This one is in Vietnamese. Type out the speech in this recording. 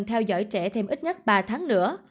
theo dõi trẻ thêm ít nhất ba tháng nữa